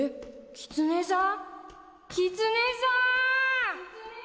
キツネさん！